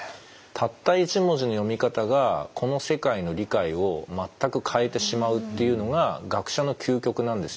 たった一文字の読み方がこの世界の理解を全く変えてしまうっていうのが学者の究極なんですよね。